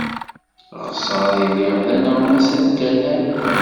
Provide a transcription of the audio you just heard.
Ɣseɣ ad iliɣ d aneɣmas addalan.